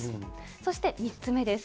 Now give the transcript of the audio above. そして３つ目です。